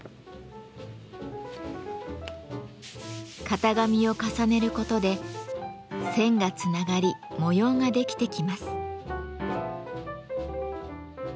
型紙を重ねることで線がつながり模様ができてきます。